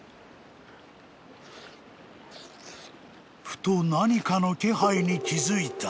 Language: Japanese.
［ふと何かの気配に気付いた］